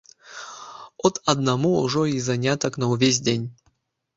От аднаму ўжо й занятак на ўвесь дзень.